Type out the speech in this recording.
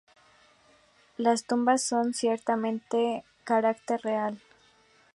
Las tumbas son ciertamente de carácter real.